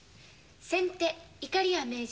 先手いかりや名人。